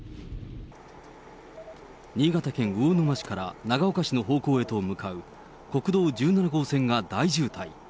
新潟県魚沼市から長岡市の方向へと向かう国道１７号線が大渋滞。